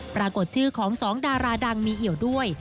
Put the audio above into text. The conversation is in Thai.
ปรากฏชื่อของสองดาราดังมีเอี่ยวด้วย